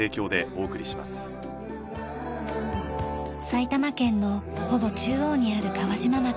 埼玉県のほぼ中央にある川島町。